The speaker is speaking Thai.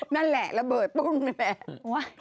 นั่นแหละระเบิดปุ้งนี่แหละ